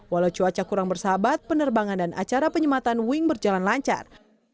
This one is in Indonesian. walau cuaca kurang bersahabat penerbangan dan acara penyematan wing berjalan lancar